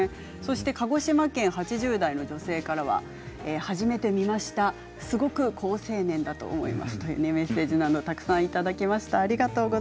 鹿児島県８０代の女性からは初めて見ましたすごく好青年だと思います、などメッセージをいただきました。